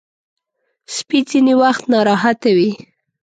سپي ځینې وخت ناراحته وي.